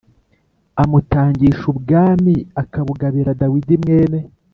amutangisha ubwami akabugabira Dawidi mwene